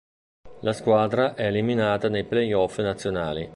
La squadra è eliminata nei play-off nazionali.